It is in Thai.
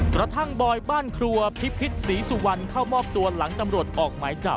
กระทั่งบอยบ้านครัวพิพิษศรีสุวรรณเข้ามอบตัวหลังตำรวจออกหมายจับ